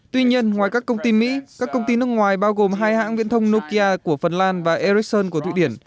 tuy nhiên ngoài các công ty mỹ các công ty nước ngoài bao gồm hai hãng viễn thông nokia của phần lan và ericsson của thụy điển